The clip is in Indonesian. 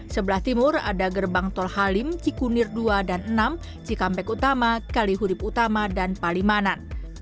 sebelah timur ada gerbang tol halim cikunir dua dan enam cikampek utama kalihurip utama dan palimanan